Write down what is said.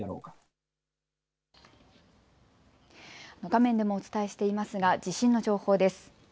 画面でもお伝えしていますが地震の情報です。